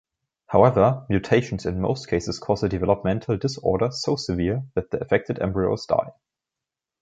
However, mutations in most cases cause a developmental disorder so severe that the affected embryos die.